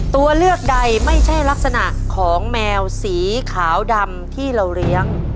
ตัวเลือกใดไม่ใช่ลักษณะของแมวสีขาวดำที่เราเลี้ยง